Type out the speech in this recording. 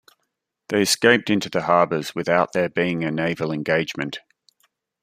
They escaped into the harbours without there being a naval engagement.